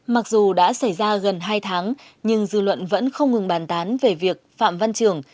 mặc dù đã xảy ra gần hai tháng nhưng dư luận vẫn không ngừng bàn tán về việc phạm văn trường